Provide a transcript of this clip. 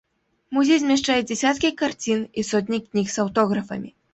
Музей змяшчае дзясяткі карцін, і сотні кніг з аўтографамі.